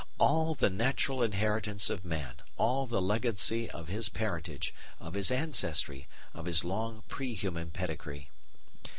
all the natural inheritance of man, all the legacy of his parentage, of his ancestry, of his long pre human pedigree.